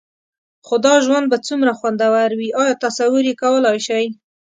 خو دا ژوند به څومره خوندور وي؟ ایا تصور یې کولای شئ؟